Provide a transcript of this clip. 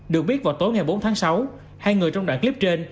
được biết vào tối ngày bốn tháng sáu hai người trong đoạn clip trên